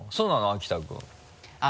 秋田君。